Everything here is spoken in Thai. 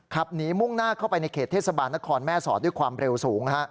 ขับหนีมุ่งหน้าเข้าไปในเขตเทศบาลนครแม่สอดด้วยความเร็วสูง